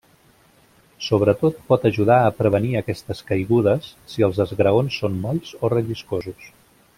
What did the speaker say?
Sobretot pot ajudar a prevenir aquestes caigudes si els esgraons són molls o relliscosos.